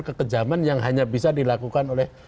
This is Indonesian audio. kekejaman yang hanya bisa dilakukan oleh